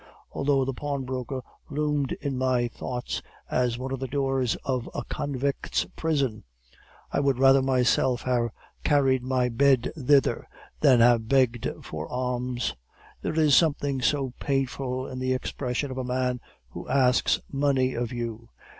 Although the pawnbroker loomed in my thoughts as one of the doors of a convict's prison, I would rather myself have carried my bed thither than have begged for alms. There is something so painful in the expression of a man who asks money of you!